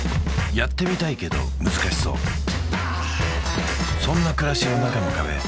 やってみたいけど難しそうそんな暮らしの中の壁